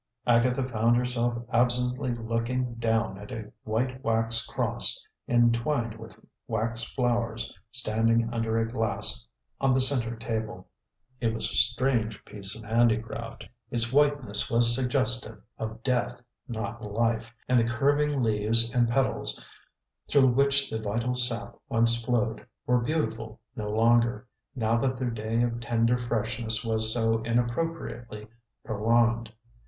Agatha found herself absently looking down at a white wax cross, entwined with wax flowers, standing under a glass on the center table. It was a strange piece of handicraft. Its whiteness was suggestive of death, not life, and the curving leaves and petals, through which the vital sap once flowed, were beautiful no longer, now that their day of tender freshness was so inappropriately prolonged.